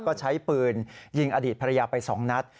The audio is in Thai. ก็ใช้ปืนยิงอดีตภรรยาไป๒นัด